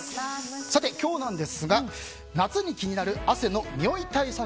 今日なんですが夏に気になる汗のにおい対策